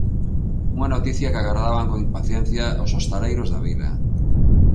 Unha noticia que agardaban con impaciencia os hostaleiros da vila.